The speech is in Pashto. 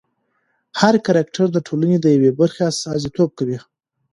هر کرکټر د ټولنې د یوې برخې استازیتوب کوي.